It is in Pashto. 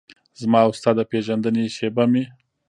زما او ستا د پیژندنې شیبه مې